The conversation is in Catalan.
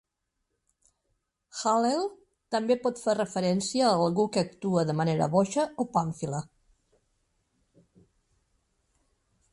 "Hallel" també pot fer referència a algú que actua de manera boja o pàmfila.